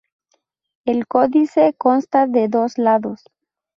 El códice consta de dos lados.